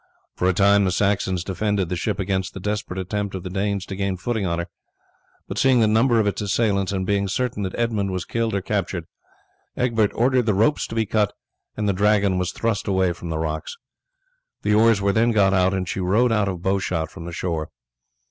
For a time the Saxons defended the ship against the desperate attempts of the Danes to gain footing on her; but seeing the number of its assailants, and being certain that Edmund was killed or captured, Egbert ordered the ropes to be cut, and the Dragon was thrust away from the rocks. The oars were then got out and she rowed out of bow shot from the shore.